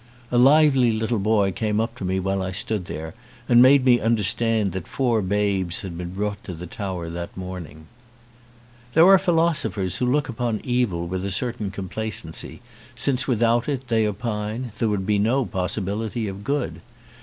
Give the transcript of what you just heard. A lively little boy came up to me while I stood there and made me understand that four babes had been brought to the tower that morning. There are philosophers who look upon evil with a certain complacency, since without it, they opine, there would be no possibility of good.